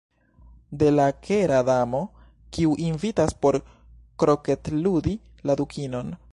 De la Kera Damo, kiu invitas por kroketludi la Dukinon.